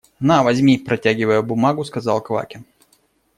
– На, возьми, – протягивая бумагу, сказал Квакин.